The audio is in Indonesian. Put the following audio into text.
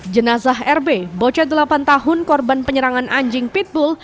jenazah rb bocah delapan tahun korban penyerangan anjing pitbull